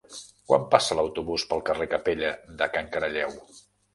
Quan passa l'autobús pel carrer Capella de Can Caralleu?